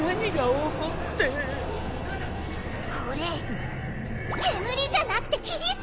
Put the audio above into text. これ煙じゃなくて霧さ！